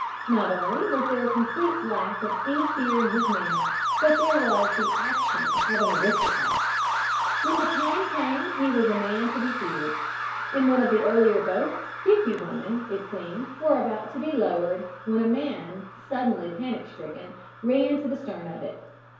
Not only was there a complete lack of any fear in his manner, but there was the action of an aristocrat. "When the time came he was a man to be feared. In one of the earlier boats fifty women, it seemed, were about to be lowered, when a man, suddenly panic stricken, ran to the stern of it.